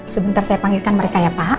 sebentar saya panggilkan mereka ya pak